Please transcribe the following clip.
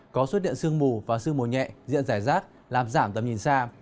có xuất hiện sương mù và sương mù nhẹ diện rải rác làm giảm tầm nhìn xa